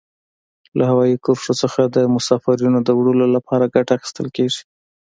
له هوایي کرښو څخه د مسافرینو د وړلو لپاره ګټه اخیستل کیږي.